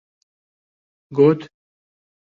Got: